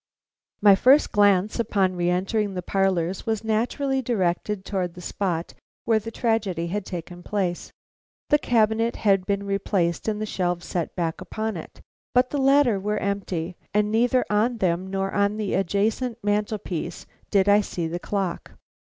My first glance upon re entering the parlors was naturally directed towards the spot where the tragedy had taken place. The cabinet had been replaced and the shelves set back upon it; but the latter were empty, and neither on them nor on the adjacent mantel piece did I see the clock.